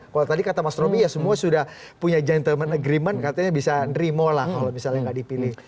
kalau tadi kata mas romy ya semua sudah punya gentleman agreement katanya bisa nerimo lah kalau misalnya nggak dipilih